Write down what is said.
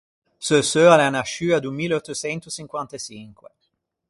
Seu seu a l’ea nasciua do mille eutto çento çinquant’e çinque.